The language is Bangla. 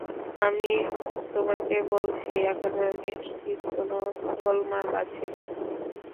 আমি তোমাকে বলছি, এখানো নিশ্চিত কোন গোলমাল আছে।